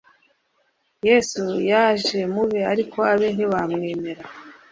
yesu yaje mube ariko abe ntibamwemera